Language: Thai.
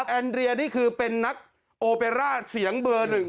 แอนเรียนี่คือเป็นนักโอเปร่าเสียงเบอร์หนึ่ง